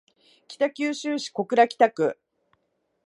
北九州市小倉北区